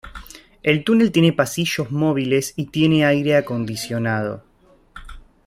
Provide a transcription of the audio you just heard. El túnel tiene pasillos móviles y tiene aire acondicionado.